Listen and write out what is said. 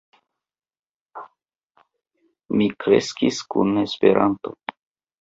Mi kreskis kun Esperanto.